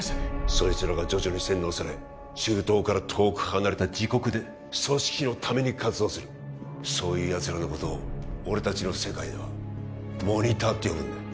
そいつらが徐々に洗脳され中東から遠く離れた自国で組織のために活動するそういうやつらのことを俺たちの世界ではモニターって呼ぶんだよ